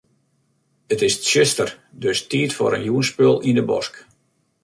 It is tsjuster, dus tiid foar in jûnsspul yn 'e bosk.